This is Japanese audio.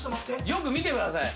よく見てください。